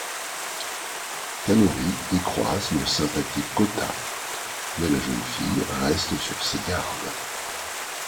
Kanori y croise le sympathique Kôta, mais la jeune fille reste sur ses gardes.